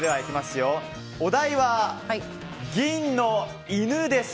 お題は銀の犬です。